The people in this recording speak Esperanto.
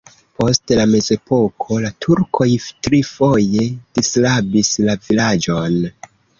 Post la mezepoko la turkoj trifoje disrabis la vilaĝon.